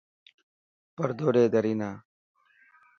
پردو ڏي دري نا.